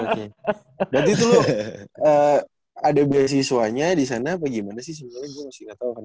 berarti itu ada beasiswanya di sana apa gimana sih sebenarnya gue masih gak tau kan